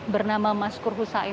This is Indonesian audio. bernama maskur husain